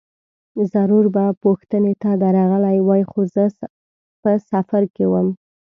ضرور به پوښتنې ته درغلی وای، خو زه په سفر کې وم.